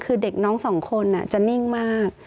คือเด็กน้องสองคนจะนิ่งมาก